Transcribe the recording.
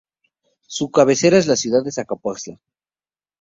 Su cabecera es la ciudad de Zacapoaxtla.